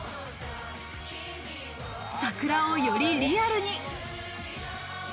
桜をよりリアルに。